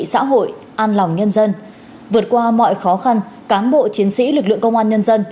xã hội an lòng nhân dân vượt qua mọi khó khăn cán bộ chiến sĩ lực lượng công an nhân dân